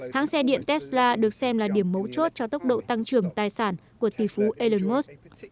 hãng xe điện tesla được xem là điểm mấu chốt cho tốc độ tăng trưởng tài sản của tỷ phú elon musk